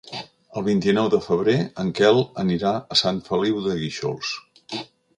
El vint-i-nou de febrer en Quel anirà a Sant Feliu de Guíxols.